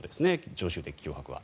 常習的脅迫は。